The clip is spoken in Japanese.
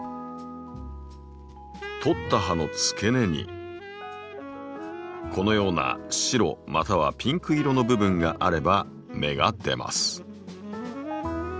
取った葉のつけ根にこのような白またはピンク色の部分があれば芽が出ます。